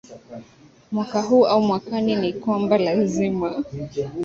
mwaka huu au mwakani ni kwamba lazima